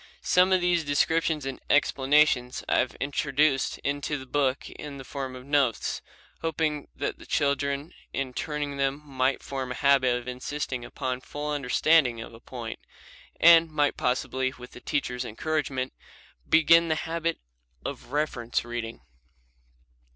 Some of these descriptions and explanations I have introduced into the book in the form of notes, hoping that the children in turning to them might form a habit of insisting upon full understanding of a point, and might possibly, with the teacher's encouragement, begin the habit of reference reading.